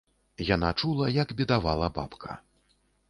Яна чула, як бедавала бабка.